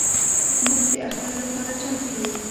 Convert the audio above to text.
موږ د اختر لپاره چمتو یو.